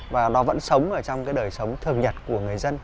và nó vẫn sống ở trong cái đời sống thường nhật của người dân